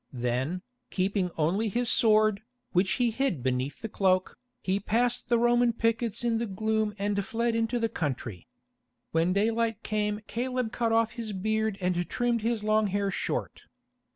Then, keeping only his sword, which he hid beneath the cloak, he passed the Roman pickets in the gloom and fled into the country. When daylight came Caleb cut off his beard and trimmed his long hair short.